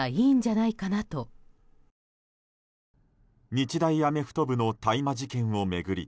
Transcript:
日大アメフト部の大麻事件を巡り